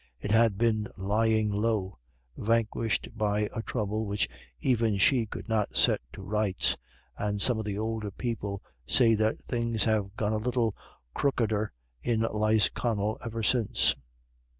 It had long been lying low, vanquished by a trouble which even she could not set to rights, and some of the older people say that things have gone a little crookeder in Lisconnel ever since.